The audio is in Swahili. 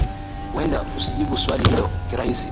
huenda usijibu swali hilo kirahisi